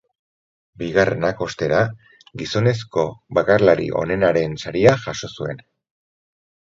Bigarrenak, ostera, gizonezko bakarlari onenaren saria jaso zuen.